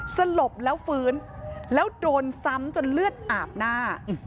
สลบแล้วฟื้นแล้วโดนซ้ำจนเลือดอาบหน้า